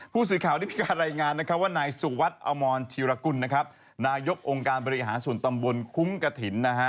ผู้สื่อข่าวที่มีการรายงานว่านายสุวัสดิ์อมรธิรกุลนายกองการบริหารส่วนตำบลคุ้งกะถิ่น